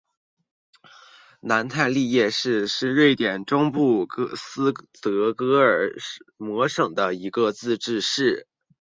南泰利耶市是瑞典中东部斯德哥尔摩省的一个自治市。